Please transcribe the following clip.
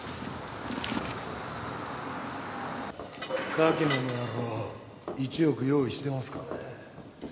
柿野の野郎１億用意してますかね？